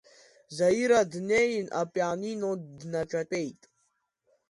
Заира днеин апианино днаҿатәеит.